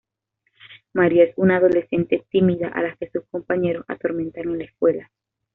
Maria es una adolescente tímida a la que sus compañeros atormentan en la escuela.